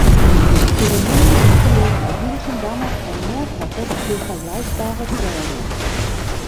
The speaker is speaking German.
Ihre männlichen Kollegen erhielten damals ein Mehrfaches für vergleichbare Pläne.